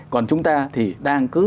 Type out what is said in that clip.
còn chúng ta thì đang cứ